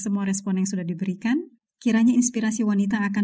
marilah siapa yang mau